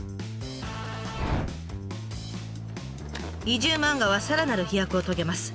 移住漫画はさらなる飛躍を遂げます。